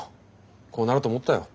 こうなると思ったよ。